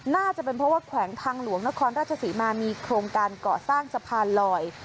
น่าจะเป็นเพราะว่าแขวงทางหลวงนครราชศรีมามีโครงการเกาะสร้างสะพานลอย